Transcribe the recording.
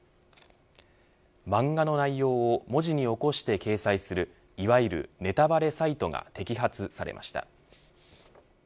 漫画の内容を文字に起こして掲載するいわゆるネタバレサイトが摘発されました。